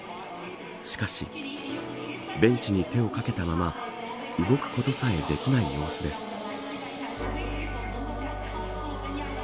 しかしベンチに手をかけたまま動くことさえできない様子です。